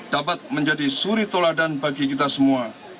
dapat menjadi suri toladan bagi kita semua